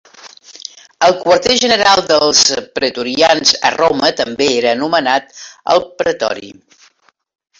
El quarter general dels pretorians a Roma també era anomenat el Pretori.